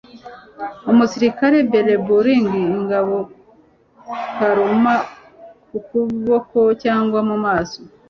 Umusirikare belabouring ingabo kuruma kuboko cyangwa mumaso